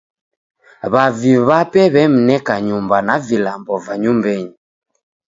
W'avi w'ape w'emneka nyumba na vilambo va nyumbenyi.